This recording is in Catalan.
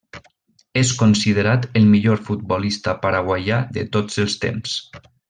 És considerat el millor futbolista paraguaià de tots els temps.